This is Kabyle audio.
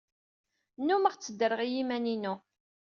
Nnummeɣ tteddreɣ i yiman-inu.